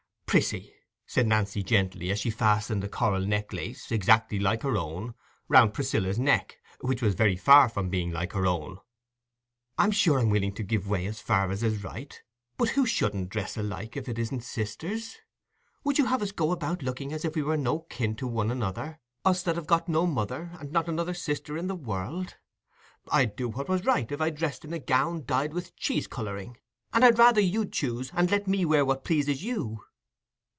"Priscy," said Nancy, gently, as she fastened a coral necklace, exactly like her own, round Priscilla's neck, which was very far from being like her own, "I'm sure I'm willing to give way as far as is right, but who shouldn't dress alike if it isn't sisters? Would you have us go about looking as if we were no kin to one another—us that have got no mother and not another sister in the world? I'd do what was right, if I dressed in a gown dyed with cheese colouring; and I'd rather you'd choose, and let me wear what pleases you."